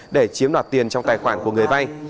để chiếm đoạt tiền trong tài khoản của người vay